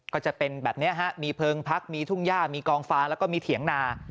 ก็จะเป็นแบบนี้ฮะมีเพลิงพักมีทุ่งย่ามีกองฟ้าแล้วก็มีเถียงนา